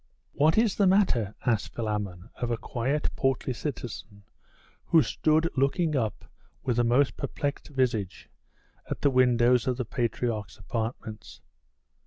'What is the matter?' asked Philammon of a quiet portly citizen, who stood looking up, with a most perplexed visage, at the windows of the patriarch's apartments.